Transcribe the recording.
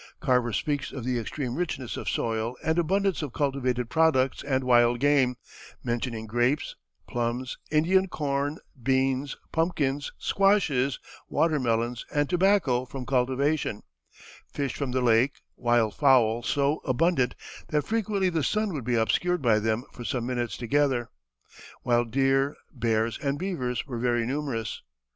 Carver speaks of the extreme richness of soil and abundance of cultivated products and wild game, mentioning grapes, plums, Indian corn, beans, pumpkins, squashes, watermelons, and tobacco from cultivation; fish from the lake; wild fowl so abundant that frequently the sun would be obscured by them for some minutes together, while deer, bears, and beavers were very numerous.